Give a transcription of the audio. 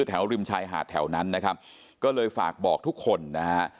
ริมชายหาดแถวนั้นนะครับก็เลยฝากบอกทุกคนนะฮะ